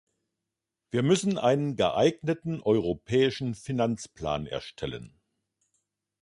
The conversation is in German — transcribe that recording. Wir müssen einen geeigneten europäischen Finanzplan erstellen.